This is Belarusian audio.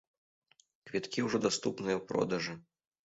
Квіткі ўжо даступныя ў продажы.